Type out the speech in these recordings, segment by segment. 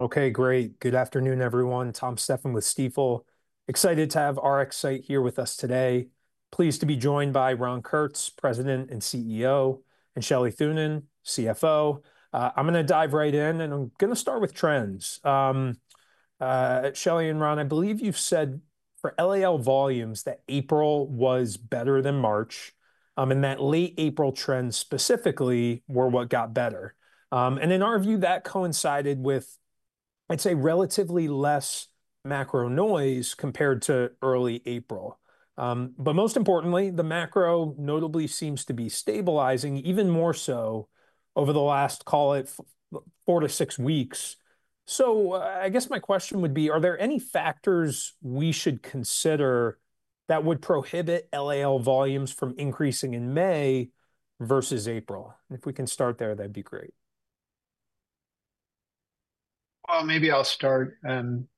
Okay, great. Good afternoon, everyone. Tom Stephan with Stifel. Excited to have RxSight here with us today. Pleased to be joined by Ron Kurtz, President and CEO, and Shelley Thunen, CFO. I'm going to dive right in, and I'm going to start with trends. Shelley and Ron, I believe you've said for LAL volumes that April was better than March, and that late April trends specifically were what got better. In our view, that coincided with, I'd say, relatively less macro noise compared to early April. Most importantly, the macro notably seems to be stabilizing even more so over the last, call it, four to six weeks. I guess my question would be, are there any factors we should consider that would prohibit LAL volumes from increasing in May versus April? If we can start there, that'd be great. Maybe I'll start, Tom.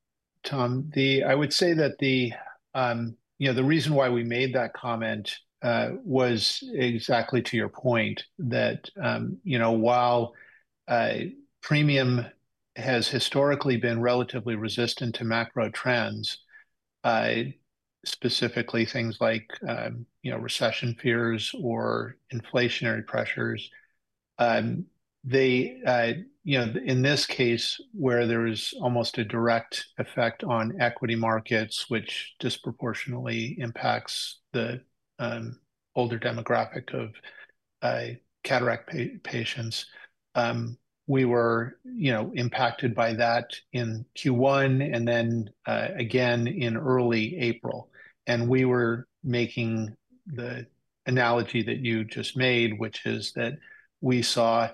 I would say that the, you know, the reason why we made that comment was exactly to your point, that, you know, while premium has historically been relatively resistant to macro trends, specifically things like, you know, recession fears or inflationary pressures, they, you know, in this case, where there is almost a direct effect on equity markets, which disproportionately impacts the older demographic of cataract patients, we were, you know, impacted by that in Q1 and then again in early April. We were making the analogy that you just made, which is that we saw,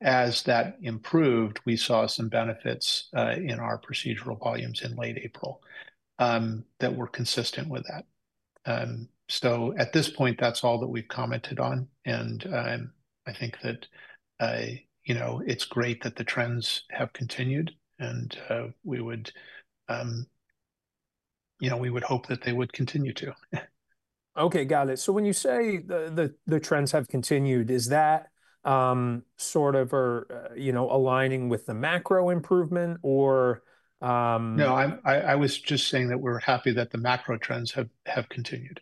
as that improved, we saw some benefits in our procedural volumes in late April that were consistent with that. At this point, that's all that we've commented on. I think that, you know, it's great that the trends have continued, and we would, you know, we would hope that they would continue to. Okay, got it. So when you say the trends have continued, is that sort of, you know, aligning with the macro improvement or? No, I was just saying that we're happy that the macro trends have continued.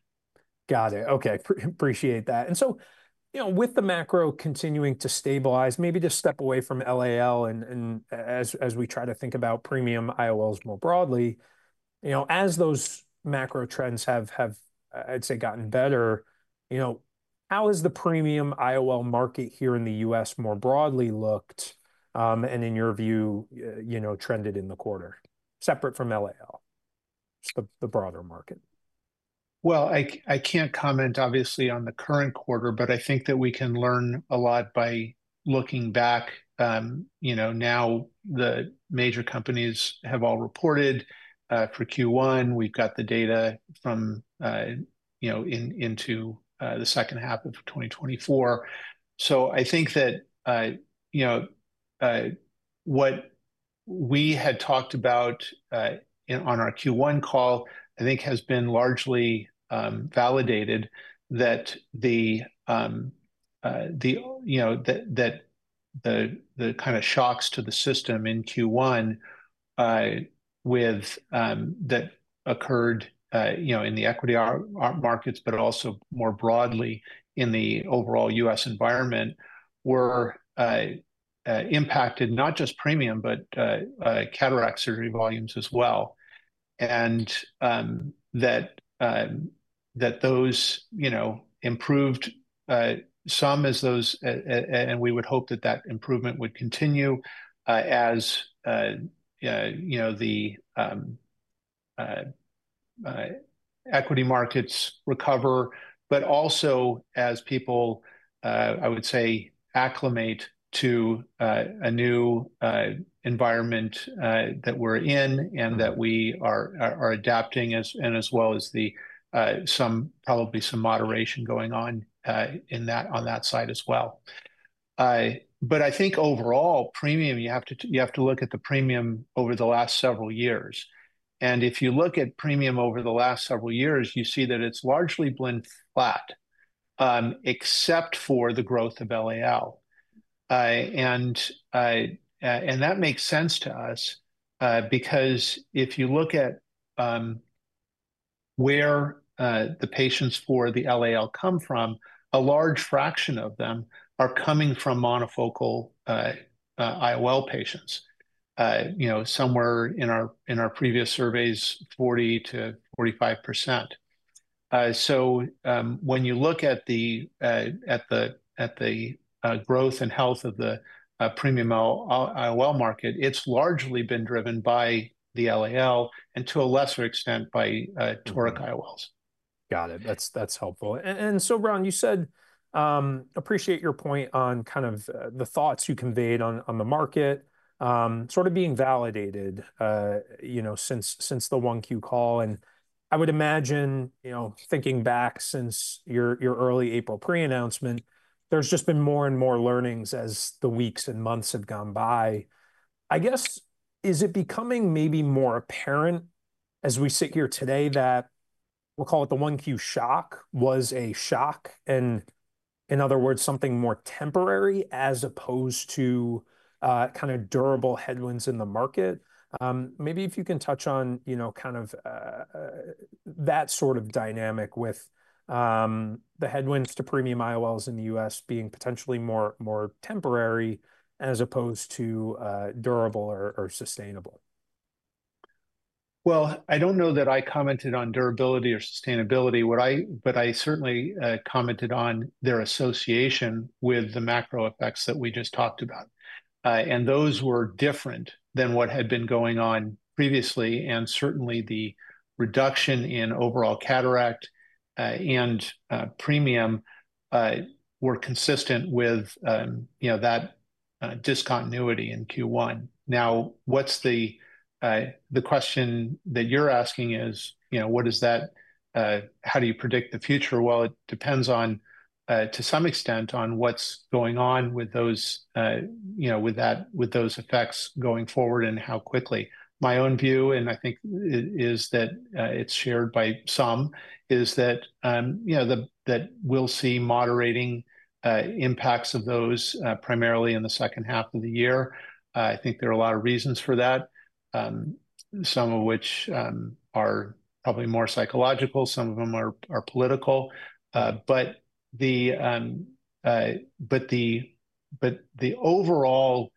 Got it. Okay, appreciate that. And so, you know, with the macro continuing to stabilize, maybe to step away from LAL, and as we try to think about premium IOLs more broadly, you know, as those macro trends have, I'd say, gotten better, you know, how has the premium IOL market here in the U.S. more broadly looked? And in your view, you know, trended in the quarter separate from LAL, the broader market? I can't comment, obviously, on the current quarter, but I think that we can learn a lot by looking back. You know, now the major companies have all reported for Q1. We've got the data from, you know, into the second half of 2024. I think that, you know, what we had talked about on our Q1 call, I think, has been largely validated that the, you know, that the kind of shocks to the system in Q1 that occurred, you know, in the equity markets, but also more broadly in the overall U.S. environment were impacted not just premium, but cataract surgery volumes as well. That, you know, improved some as those, and we would hope that improvement would continue as, you know, the equity markets recover, but also as people, I would say, acclimate to a new environment that we're in and that we are adapting as well as probably some moderation going on on that side as well. I think overall premium, you have to look at the premium over the last several years. If you look at premium over the last several years, you see that it's largely been flat, except for the growth of LAL. That makes sense to us because if you look at where the patients for the LAL come from, a large fraction of them are coming from monofocal IOL patients, you know, somewhere in our previous surveys, 40%-45%. When you look at the growth and health of the premium IOL market, it's largely been driven by the LAL and to a lesser extent by toric IOLs. Got it. That's helpful. Ron, you said, appreciate your point on kind of the thoughts you conveyed on the market, sort of being validated, you know, since the 1Q call. I would imagine, you know, thinking back since your early April pre-announcement, there's just been more and more learnings as the weeks and months have gone by. I guess, is it becoming maybe more apparent as we sit here today that we'll call it the 1Q shock was a shock? In other words, something more temporary as opposed to kind of durable headwinds in the market? Maybe if you can touch on, you know, kind of that sort of dynamic with the headwinds to premium IOLs in the U.S. being potentially more temporary as opposed to durable or sustainable. I do not know that I commented on durability or sustainability, but I certainly commented on their association with the macro effects that we just talked about. Those were different than what had been going on previously. Certainly, the reduction in overall cataract and premium were consistent with, you know, that discontinuity in Q1. Now, the question that you are asking is, you know, what is that? How do you predict the future? It depends on, to some extent, on what is going on with those, you know, with those effects going forward and how quickly. My own view, and I think it is shared by some, is that, you know, that we will see moderating impacts of those primarily in the second half of the year. I think there are a lot of reasons for that, some of which are probably more psychological, some of them are political. The overall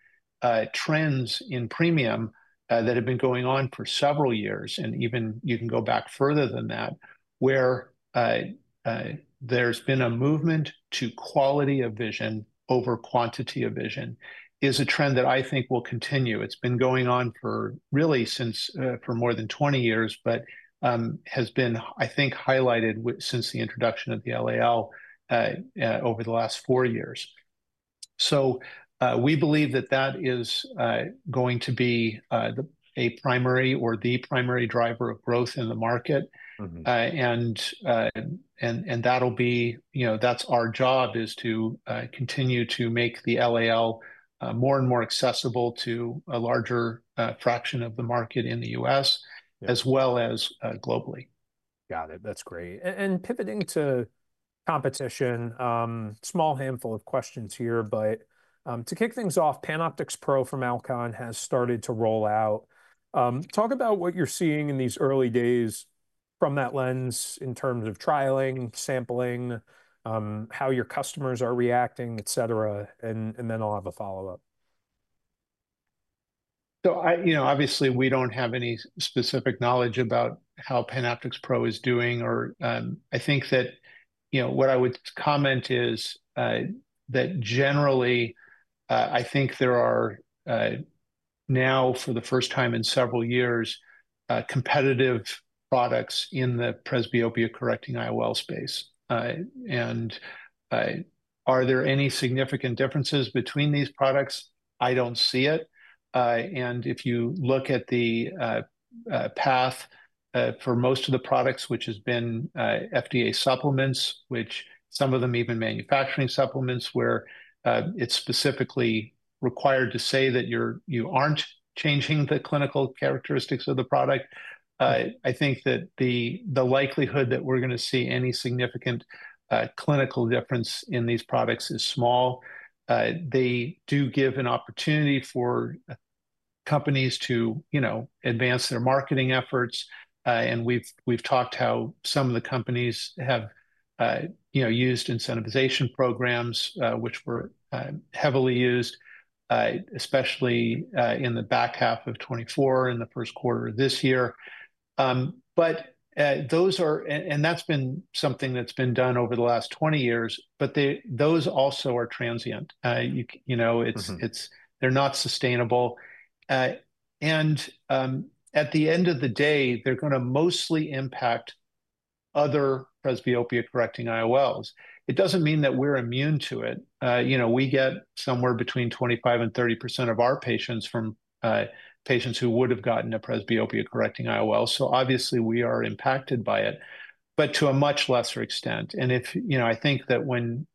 trends in premium that have been going on for several years, and even you can go back further than that, where there's been a movement to quality of vision over quantity of vision is a trend that I think will continue. It's been going on for really since for more than 20 years, but has been, I think, highlighted since the introduction of the LAL over the last four years. We believe that that is going to be a primary or the primary driver of growth in the market. That'll be, you know, that's our job is to continue to make the LAL more and more accessible to a larger fraction of the market in the U.S., as well as globally. Got it. That's great. Pivoting to competition, small handful of questions here, but to kick things off, PanOptix Pro from Alcon has started to roll out. Talk about what you're seeing in these early days from that lens in terms of trialing, sampling, how your customers are reacting, et cetera. I have a follow-up. You know, obviously, we do not have any specific knowledge about how PanOptix Pro is doing. I think that, you know, what I would comment is that generally, I think there are now for the first time in several years, competitive products in the presbyopia correcting IOL space. Are there any significant differences between these products? I do not see it. If you look at the path for most of the products, which has been FDA supplements, some of them even manufacturing supplements where it is specifically required to say that you are not changing the clinical characteristics of the product, I think that the likelihood that we are going to see any significant clinical difference in these products is small. They do give an opportunity for companies to advance their marketing efforts. We have talked how some of the companies have, you know, used incentivization programs, which were heavily used, especially in the back half of 2024, in the first quarter of this year. Those are, and that's been something that's been done over the last 20 years, but those also are transient. You know, they're not sustainable. At the end of the day, they're going to mostly impact other presbyopia correcting IOLs. It does not mean that we're immune to it. You know, we get somewhere between 25% and 30% of our patients from patients who would have gotten a presbyopia correcting IOL. Obviously, we are impacted by it, but to a much lesser extent. If, you know, I think that when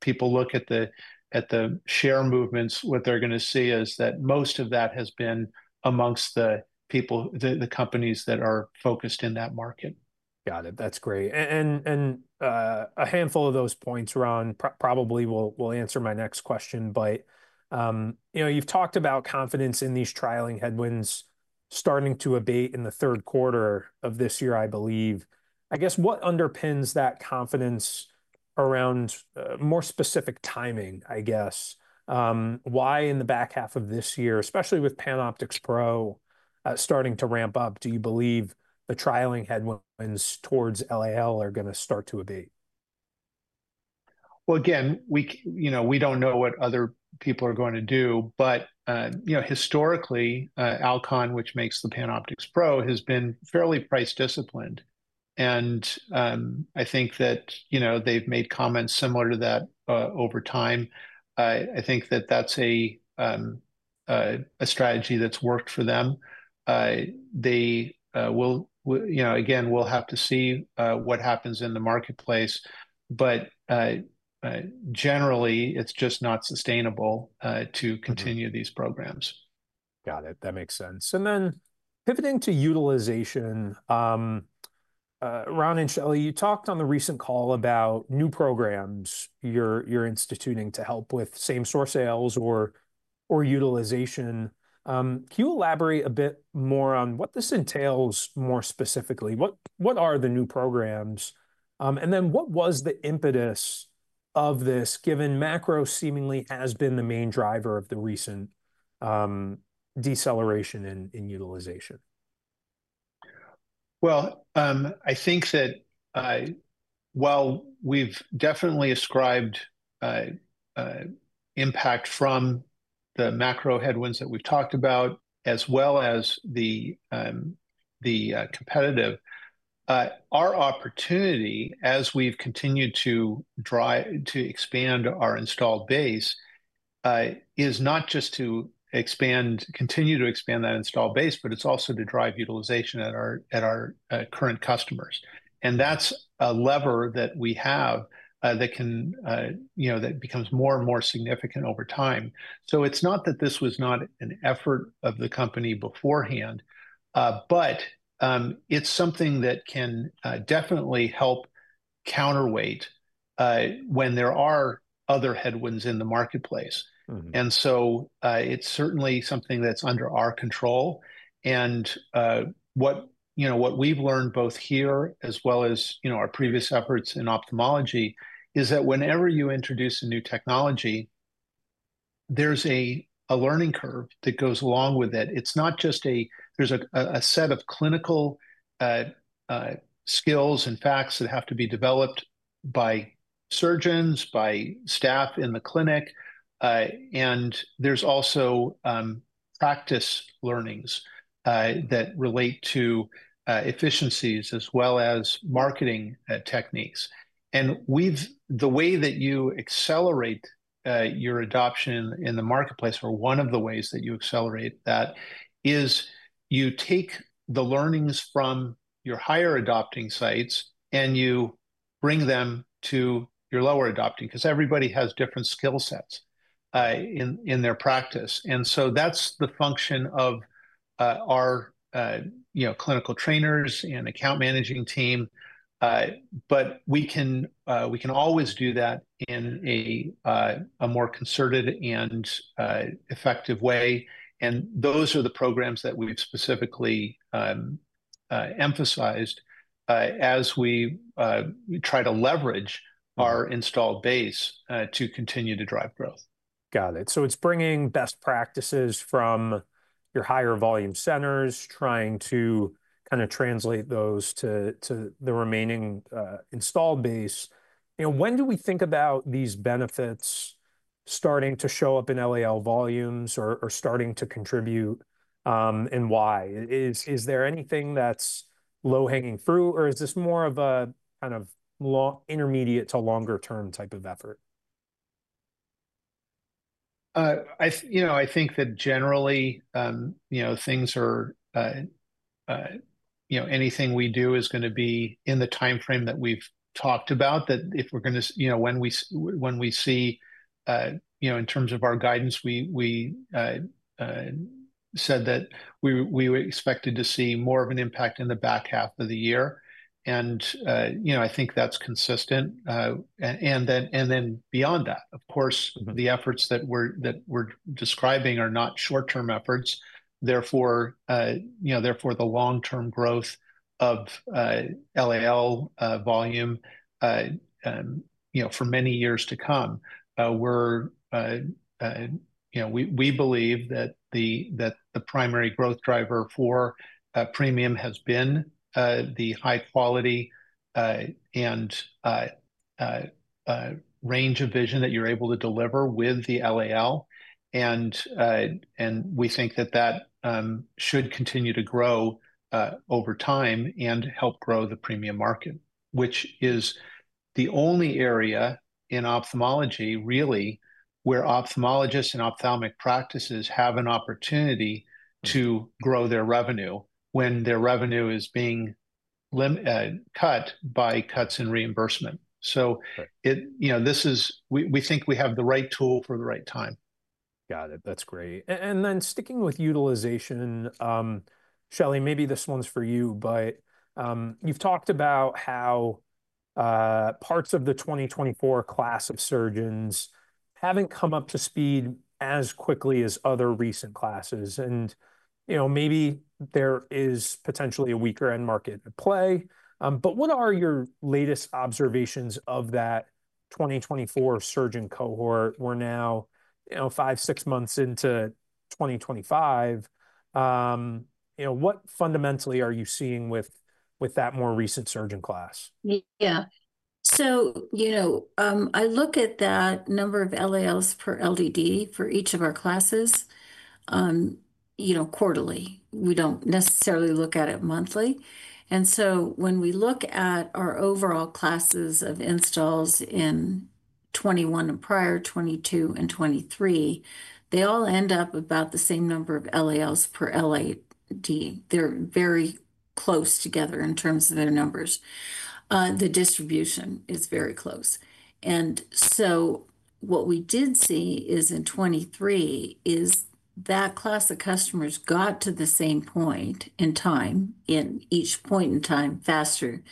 people look at the share movements, what they're going to see is that most of that has been amongst the people, the companies that are focused in that market. Got it. That's great. And a handful of those points, Ron, probably will answer my next question. But, you know, you've talked about confidence in these trialing headwinds starting to abate in the third quarter of this year, I believe. I guess what underpins that confidence around more specific timing, I guess? Why in the back half of this year, especially with PanOptix Pro starting to ramp up, do you believe the trialing headwinds towards LAL are going to start to abate? Again, you know, we don't know what other people are going to do. You know, historically, Alcon, which makes the PanOptix Pro, has been fairly price disciplined. I think that, you know, they've made comments similar to that over time. I think that that's a strategy that's worked for them. You know, again, we'll have to see what happens in the marketplace. Generally, it's just not sustainable to continue these programs. Got it. That makes sense. Pivoting to utilization, Ron and Shelley, you talked on the recent call about new programs you're instituting to help with same-store sales or utilization. Can you elaborate a bit more on what this entails more specifically? What are the new programs? What was the impetus of this, given macro seemingly has been the main driver of the recent deceleration in utilization? I think that while we've definitely ascribed impact from the macro headwinds that we've talked about, as well as the competitive, our opportunity, as we've continued to expand our installed base, is not just to expand, continue to expand that installed base, but it's also to drive utilization at our current customers. That's a lever that we have that can, you know, that becomes more and more significant over time. It's not that this was not an effort of the company beforehand, but it's something that can definitely help counterweight when there are other headwinds in the marketplace. It's certainly something that's under our control. What we've learned both here, as well as, you know, our previous efforts in ophthalmology, is that whenever you introduce a new technology, there's a learning curve that goes along with it. It's not just a, there's a set of clinical skills and facts that have to be developed by surgeons, by staff in the clinic. There's also practice learnings that relate to efficiencies as well as marketing techniques. The way that you accelerate your adoption in the marketplace, or one of the ways that you accelerate that, is you take the learnings from your higher adopting sites and you bring them to your lower adopting, because everybody has different skill sets in their practice. That's the function of our, you know, clinical trainers and account managing team. We can always do that in a more concerted and effective way. Those are the programs that we've specifically emphasized as we try to leverage our installed base to continue to drive growth. Got it. So it's bringing best practices from your higher volume centers, trying to kind of translate those to the remaining installed base. You know, when do we think about these benefits starting to show up in LAL volumes or starting to contribute and why? Is there anything that's low hanging fruit, or is this more of a kind of intermediate to longer term type of effort? You know, I think that generally, you know, things are, you know, anything we do is going to be in the timeframe that we've talked about, that if we're going to, you know, when we see, you know, in terms of our guidance, we said that we were expected to see more of an impact in the back half of the year. You know, I think that's consistent. Beyond that, of course, the efforts that we're describing are not short-term efforts. Therefore, you know, therefore the long-term growth of LAL volume, you know, for many years to come. We're, you know, we believe that the primary growth driver for premium has been the high quality and range of vision that you're able to deliver with the LAL. We think that that should continue to grow over time and help grow the premium market, which is the only area in ophthalmology really where ophthalmologists and ophthalmic practices have an opportunity to grow their revenue when their revenue is being cut by cuts in reimbursement. It, you know, this is, we think we have the right tool for the right time. Got it. That's great. Then sticking with utilization, Shelley, maybe this one's for you, but you've talked about how parts of the 2024 class of surgeons haven't come up to speed as quickly as other recent classes. You know, maybe there is potentially a weaker end market at play. What are your latest observations of that 2024 surgeon cohort? We're now, you know, five, six months into 2024. You know, what fundamentally are you seeing with that more recent surgeon class? Yeah. So, you know, I look at that number of LALs per LDD for each of our classes, you know, quarterly. We do not necessarily look at it monthly. When we look at our overall classes of installs in 2021 and prior, 2022 and 2023, they all end up about the same number of LALs per LDD. They are very close together in terms of their numbers. The distribution is very close. What we did see is in 2023, that class of customers got to the same point in time in each point in time faster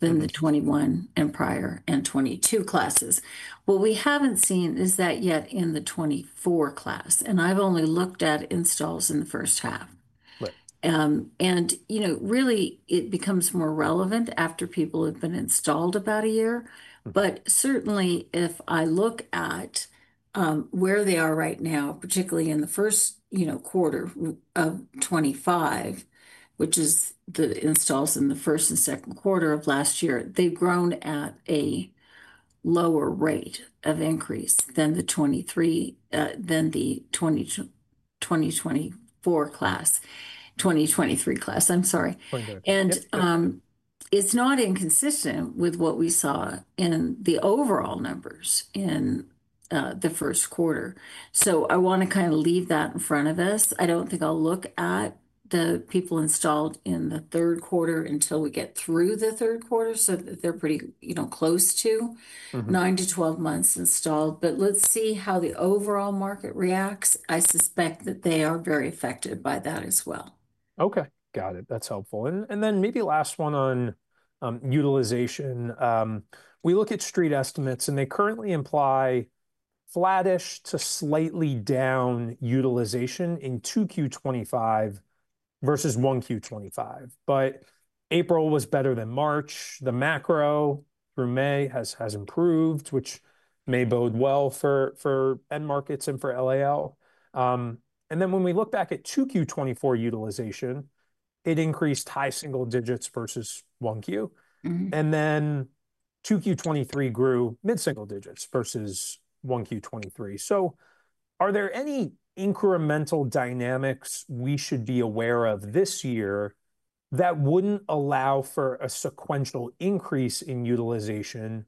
than the 2021 and prior and 2022 classes. What we have not seen is that yet in the 2024 class. I have only looked at installs in the first half. You know, really, it becomes more relevant after people have been installed about a year. Certainly, if I look at where they are right now, particularly in the first, you know, quarter of 2025, which is the installs in the first and second quarter of last year, they have grown at a lower rate of increase than the 2023 class, I am sorry. It is not inconsistent with what we saw in the overall numbers in the first quarter. I want to kind of leave that in front of us. I do not think I will look at the people installed in the third quarter until we get through the third quarter. They are pretty, you know, close to nine to 12 months installed. Let us see how the overall market reacts. I suspect that they are very affected by that as well. Okay. Got it. That's helpful. Maybe last one on utilization. We look at street estimates, and they currently imply flattish to slightly down utilization in 2Q 2025 versus 1Q 2025. April was better than March. The macro through May has improved, which may bode well for end markets and for LAL. When we look back at 2Q 2024 utilization, it increased high single digits versus 1Q. 2Q 2023 grew mid-single digits versus 1Q 2023. Are there any incremental dynamics we should be aware of this year that would not allow for a sequential increase in utilization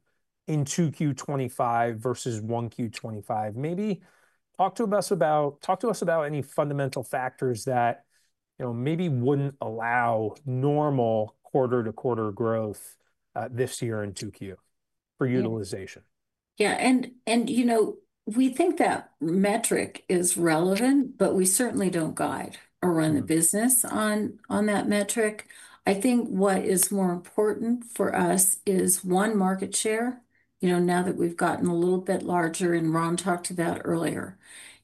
in 2Q 2025 versus 1Q 2025? Maybe talk to us about any fundamental factors that, you know, maybe would not allow normal quarter-to-quarter growth this year in 2Q for utilization. Yeah. And, you know, we think that metric is relevant, but we certainly do not guide or run the business on that metric. I think what is more important for us is one, market share. You know, now that we have gotten a little bit larger and Ron talked about earlier,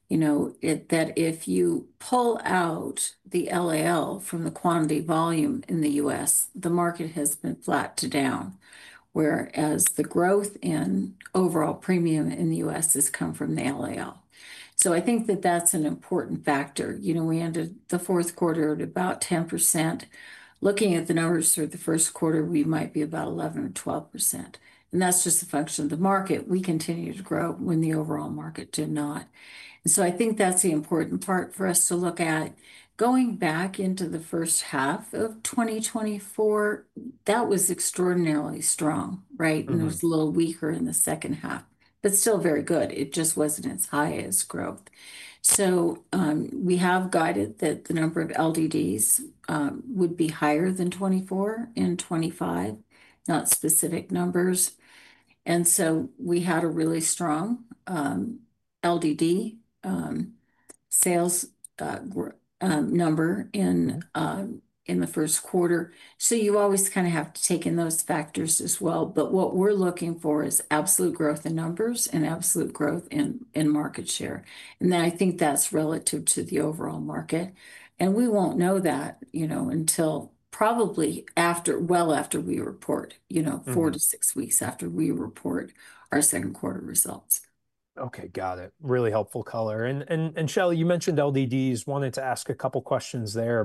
you know, that if you pull out the LAL from the quantity volume in the U.S., the market has been flat to down, whereas the growth in overall premium in the U.S. has come from the LAL. I think that that is an important factor. You know, we ended the fourth quarter at about 10%. Looking at the numbers for the first quarter, we might be about 11% or 12%. That is just a function of the market. We continue to grow when the overall market did not. I think that is the important part for us to look at. Going back into the first half of 2024, that was extraordinarily strong, right? It was a little weaker in the second half, but still very good. It just was not as high as growth. We have guided that the number of LDDs would be higher than 24 in 2025, not specific numbers. We had a really strong LDD sales number in the first quarter. You always kind of have to take in those factors as well. What we are looking for is absolute growth in numbers and absolute growth in market share. I think that is relative to the overall market. We will not know that, you know, until probably after, well after we report, you know, four to six weeks after we report our second quarter results. Okay. Got it. Really helpful color. Shelley, you mentioned LDDs. Wanted to ask a couple of questions there.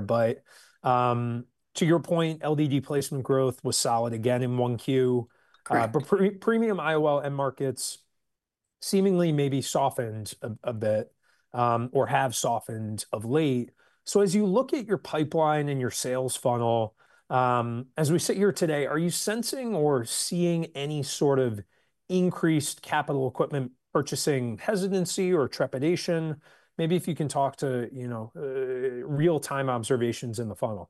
To your point, LDD placement growth was solid again in Q1. Premium IOL end markets seemingly maybe softened a bit or have softened of late. As you look at your pipeline and your sales funnel, as we sit here today, are you sensing or seeing any sort of increased capital equipment purchasing hesitancy or trepidation? Maybe if you can talk to, you know, real-time observations in the funnel.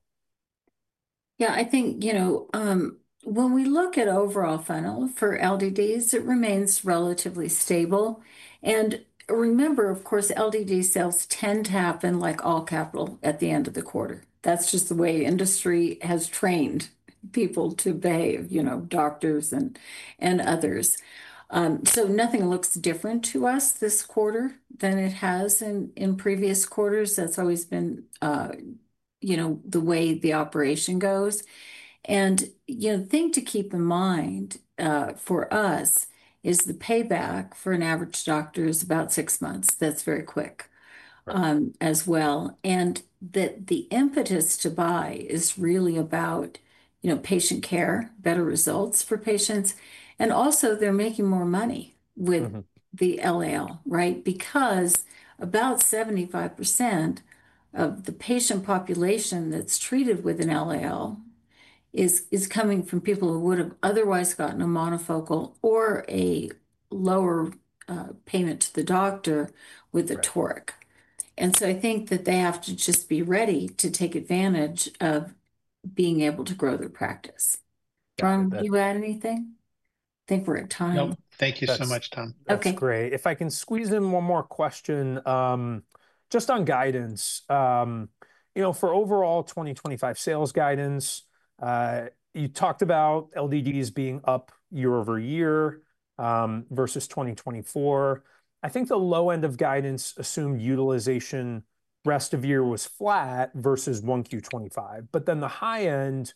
Yeah, I think, you know, when we look at overall funnel for LDDs, it remains relatively stable. And remember, of course, LDD sales tend to happen like all capital at the end of the quarter. That is just the way industry has trained people to behave, you know, doctors and others. Nothing looks different to us this quarter than it has in previous quarters. That has always been, you know, the way the operation goes. You know, the thing to keep in mind for us is the payback for an average doctor is about six months. That is very quick as well. The impetus to buy is really about, you know, patient care, better results for patients. Also, they are making more money with the LAL, right? Because about 75% of the patient population that's treated with an LAL is coming from people who would have otherwise gotten a monofocal or a lower payment to the doctor with a toric. I think that they have to just be ready to take advantage of being able to grow their practice. Ron, do you add anything? I think we're at time. Nope. Thank you so much, Tom. That's great. If I can squeeze in one more question, just on guidance, you know, for overall 2025 sales guidance, you talked about LDDs being up year over year versus 2024. I think the low end of guidance assumed utilization rest of year was flat versus 1Q 2025. But then the high end,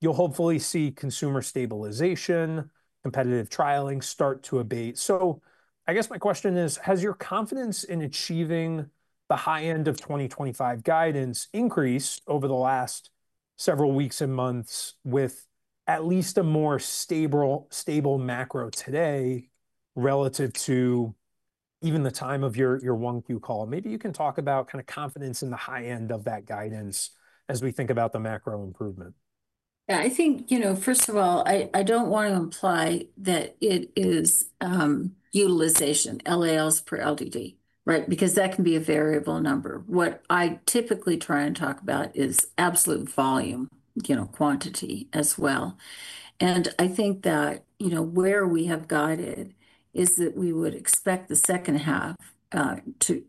you'll hopefully see consumer stabilization, competitive trialing start to abate. So I guess my question is, has your confidence in achieving the high end of 2025 guidance increased over the last several weeks and months with at least a more stable macro today relative to even the time of your 1Q call? Maybe you can talk about kind of confidence in the high end of that guidance as we think about the macro improvement. Yeah, I think, you know, first of all, I do not want to imply that it is utilization, LALs per LDD, right? Because that can be a variable number. What I typically try and talk about is absolute volume, you know, quantity as well. I think that, you know, where we have guided is that we would expect the second half to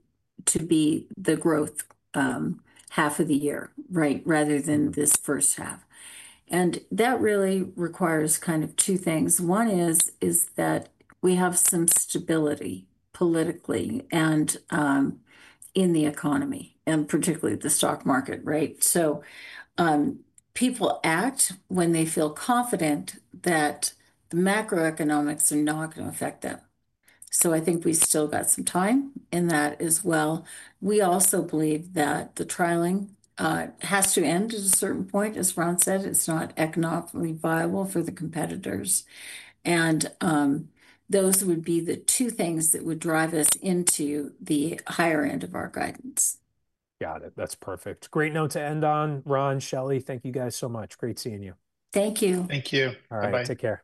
be the growth half of the year, right? Rather than this first half. That really requires kind of two things. One is that we have some stability politically and in the economy and particularly the stock market, right? People act when they feel confident that the macroeconomics are not going to affect them. I think we still got some time in that as well. We also believe that the trialing has to end at a certain point, as Ron said. It's not economically viable for the competitors. Those would be the two things that would drive us into the higher end of our guidance. Got it. That's perfect. Great note to end on. Ron, Shelley, thank you guys so much. Great seeing you. Thank you. Thank you.. All right. Take care.